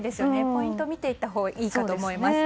ポイント、見ていったほうがいいと思います。